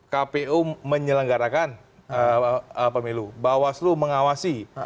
kpu menyelenggarakan pemilu bawaslu mengawasi